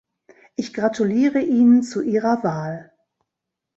Ich gratuliere Ihnen zu Ihrer Wahl.